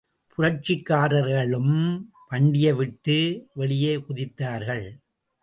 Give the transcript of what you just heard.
புரட்சிக்காரர்களும் வண்டியை விட்டு வெளியே குதித்தார்கள்.